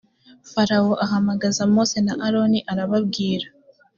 farawo ahamagaza mose na aroni arababwira